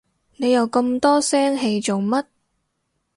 你又咁多聲氣做乜？